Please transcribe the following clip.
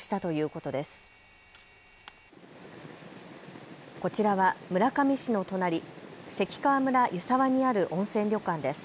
こちらは村上市の隣関川村湯沢にある温泉旅館です。